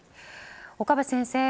岡部先生